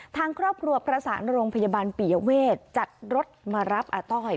ทางครอบครัวประสานโรงพยาบาลปิยเวทจัดรถมารับอาต้อย